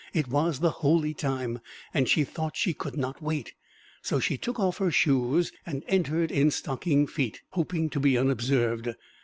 It was the "holy time," and she thought she could not wait, so she took off her shoes and entered in stocking feet, hoping to be unobserved.